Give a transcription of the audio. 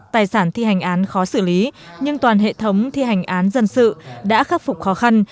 tài sản thi hành án khó xử lý nhưng toàn hệ thống thi hành án dân sự đã khắc phục khó khăn